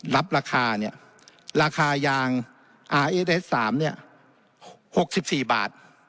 รับราคาเนี่ยราคายางอาร์เอสเอสสามเนี่ยหกสิบสี่บาท